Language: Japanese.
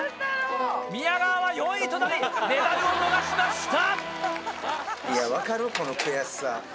宮川は４位となりメダルを逃しました。